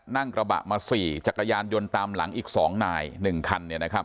นั่งกระบะมา๔จักรยานยนต์ตามหลังอีก๒นาย๑คัน